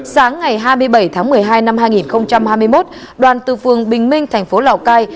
sáng ngày hai mươi bảy tháng một mươi hai năm hai nghìn hai mươi một đoàn từ phường bình minh thành phố lào cai